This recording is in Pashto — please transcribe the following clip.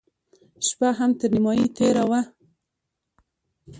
شپه هم تر نيمايي تېره وه.